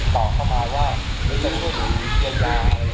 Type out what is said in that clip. ต่อเข้ามาว่า